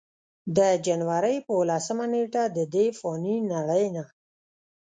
د جنورۍ پۀ اولسمه نېټه ددې فانې نړۍ نه